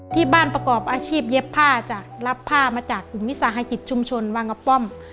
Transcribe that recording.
ที่บ้านประกอบอาชีพเย็บผ้าจ้ะรับผ้ามาจากกลุ่มวิสาหกิจชุมชนวังกระป้อม